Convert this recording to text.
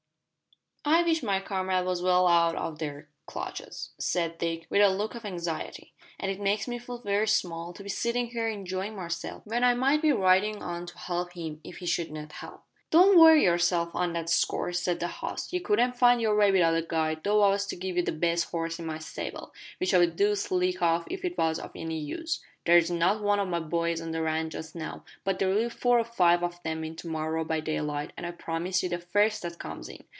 "I wish my comrade was well out o' their clutches," said Dick, with a look of anxiety; "an' it makes me feel very small to be sittin' here enjoyin' myself when I might be ridin' on to help him if he should need help." "Don't worry yourself on that score," said the host. "You couldn't find your way without a guide though I was to give ye the best horse in my stable which I'd do slick off if it was of any use. There's not one o' my boys on the ranch just now, but there'll be four or five of 'em in to morrow by daylight an' I promise you the first that comes in.